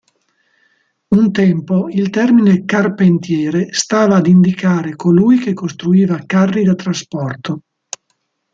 Un tempo il termine "carpentiere" stava ad indicare colui che costruiva carri da trasporto.